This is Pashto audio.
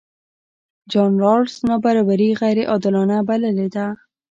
جان رالز نابرابري غیرعادلانه بللې ده.